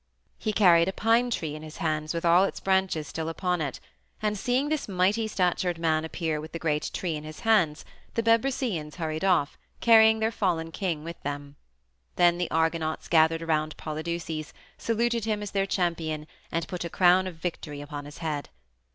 He carried a pine tree in his hands with all its branches still upon it, and seeing this mighty statured man appear with the great tree in his hands, the Bebrycians hurried off, carrying their fallen king with them. Then the Argonauts gathered around Polydeuces, saluted him as their champion, and put a crown of victory upon his head.